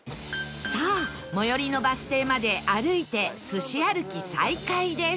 さあ最寄りのバス停まで歩いてすし歩き再開です